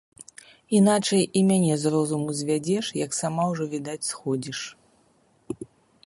Іначай і мяне з розуму звядзеш, як сама ўжо, відаць, сходзіш.